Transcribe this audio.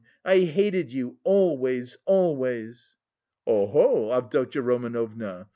I hated you always, always...." "Oho, Avdotya Romanovna!